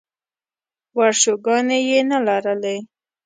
ورشوګانې یې نه لرلې.